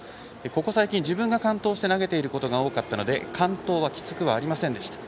ここ最近、自分が完投して投げていることが多かったので完投はきつくはありませんでした。